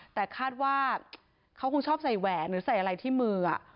แต่คาดว่าเขาคงชอบใส่แหวนหรือใส่อะไรที่มือ